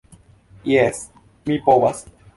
Jes, mi povas.